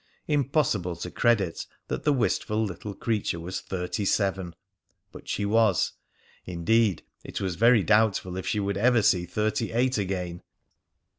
Impossible to credit that the wistful little creature was thirty seven! But she was. Indeed, it was very doubtful if she would ever see thirty eight again.